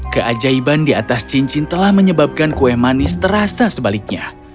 keajaiban di atas cincin telah menyebabkan kue manis terasa sebaliknya